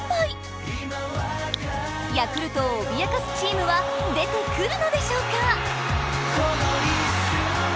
ヤクルトを脅かすチームは出てくるのでしょうか？